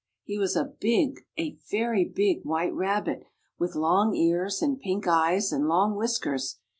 He was a big—a very big—white rabbit, with long ears, and pink eyes, and long whiskers.